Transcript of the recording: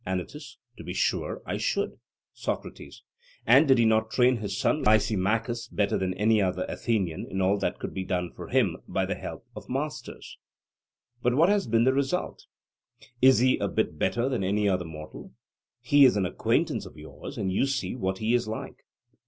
ANYTUS: To be sure I should. SOCRATES: And did not he train his son Lysimachus better than any other Athenian in all that could be done for him by the help of masters? But what has been the result? Is he a bit better than any other mortal? He is an acquaintance of yours, and you see what he is like.